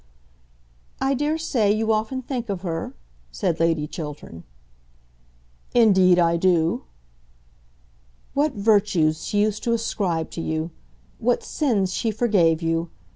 "I daresay you often think of her?" said Lady Chiltern. "Indeed, I do." "What virtues she used to ascribe to you! What sins she forgave you!